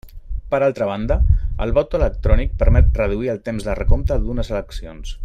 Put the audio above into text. Per altra banda, el vot electrònic permet reduir el temps de recompte d'unes eleccions.